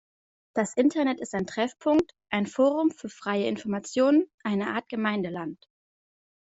Das Internet ist ein Treffpunkt, ein Forum für freie Informationen, eine Art Gemeindeland.